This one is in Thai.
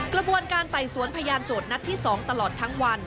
กระบวนการไต่สวนพยานโจทย์นัดที่๒ตลอดทั้งวัน